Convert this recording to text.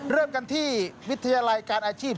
เริ่มกันที่วิทยาลัยการอาชีพ